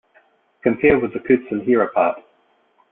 Compare with the kutsinhira part.